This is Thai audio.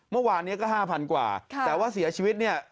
เมื่อวานนี้ก็๕๐๐กว่าแต่ว่าเสียชีวิตเนี่ย